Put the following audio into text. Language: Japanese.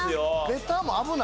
ベタも危ない？